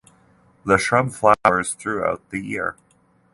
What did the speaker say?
The shrub flowers throughout the year.